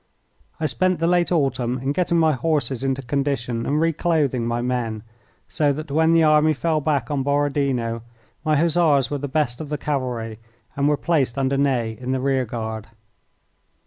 I spent the late autumn in getting my horses into condition and reclothing my men, so that when the army fell back on Borodino my Hussars were the best of the cavalry, and were placed under Ney in the rear guard.